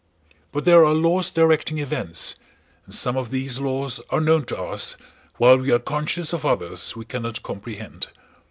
But there are laws directing events, and some of these laws are known to us while we are conscious of others we cannot comprehend.